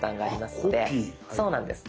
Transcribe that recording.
そうなんです。